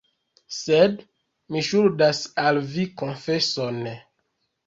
Sed mi ŝuldas al vi konfeson.